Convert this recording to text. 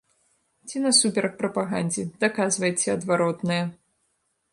Ці насуперак прапагандзе, даказвайце адваротнае.